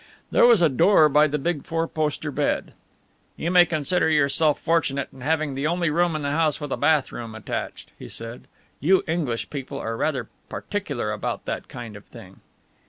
There was a door by the big four poster bed. "You may consider yourself fortunate in having the only room in the house with a bath room attached," he said. "You English people are rather particular about that kind of thing."